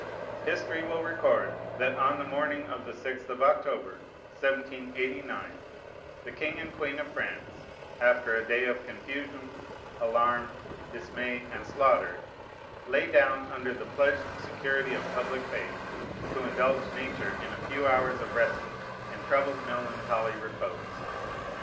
History will record, that, on the morning of the sixth of October, 1789, the king and queen of France, after a day of confusion, alarm, dismay, and slaughter, lay down, under the pledged security of public faith, to indulge nature in a few hours of respite, and troubled, melancholy repose.